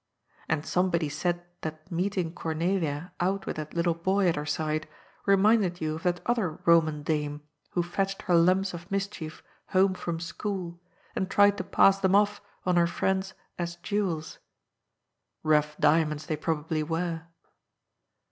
And somebody said that meeting Cornelia out with that little boy at her side reminded you of that other Roman dame who fetched her lumps of mis chief homo from school and tried to pass them off on her friends as '* jewels." Bough diamonds they probably were.